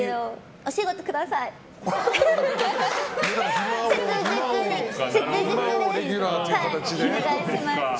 お願いします。